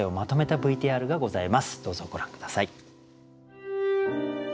どうぞご覧下さい。